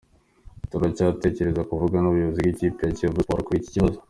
Turacyagerageza kuvugana n’ubuyobozi bw’ikipe ya Kiyovu Sports kuri iki kibazo.